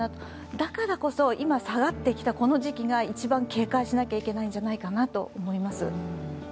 だからこそ、今、下がってきたこの時期が一番警戒しなきゃいけないんじゃないかなと思います。